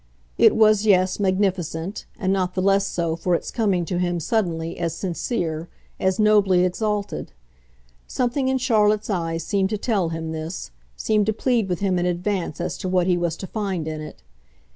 It was, yes, magnificent, and not the less so for its coming to him, suddenly, as sincere, as nobly exalted. Something in Charlotte's eyes seemed to tell him this, seemed to plead with him in advance as to what he was to find in it.